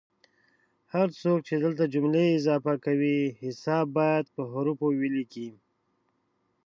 هر څوک چې دلته جملې اضافه کوي حساب باید په حوفو ولیکي